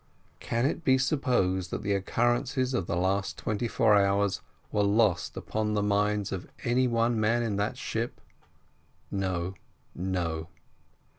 Can it be supposed that the occurrences of the last twenty four hours were lost upon the mind of any one man in that ship? No, no.